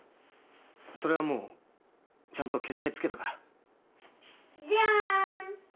それはもうちゃんとけじめつけたからジャーン！